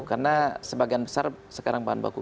karena sebagian besar sekarang bahan baku